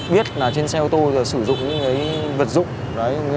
biết trên xe ô tô sử dụng những vật dụng